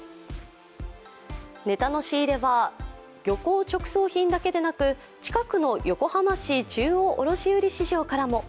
ネタの仕入れは漁港直送品だけでなく、近くの横浜市中央卸売市場からも。